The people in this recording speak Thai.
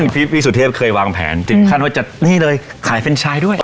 พี่สุเทพเคยวางแผนถึงขั้นว่าจะนี่เลยขายเฟรนชายด้วย